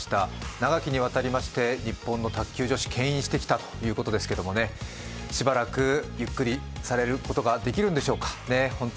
長きにわたりまして日本の卓球女子けん引してきたということですけれども、しばらく、ゆっくりされることができるんでしょうか。